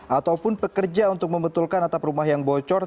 ataupun pekerja untuk membetulkan atap rumah yang bocor